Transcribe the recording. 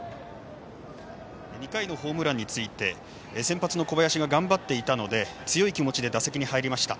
２回のホームランについて先発の小林が頑張っていたので強い気持ちで打席に入りました。